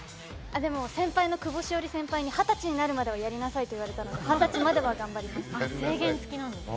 先輩の久保史緒里先輩に二十歳になるまでやりなさいと言われたので二十歳までは頑張ります。